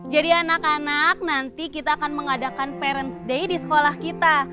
jadi anak anak nanti kita akan mengadakan parents day di sekolah kita